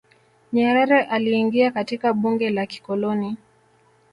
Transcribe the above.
nyerere aliingia katika bunge la kikoloni